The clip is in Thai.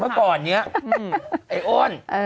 เมื่อก่อนนี้ไอ้อ้น